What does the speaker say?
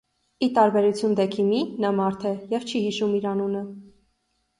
Ի տարբերություն Դեքիմի, նա մարդ է և չի հիշում իր անունը։